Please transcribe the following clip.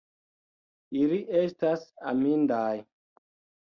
Ili estas amindaj!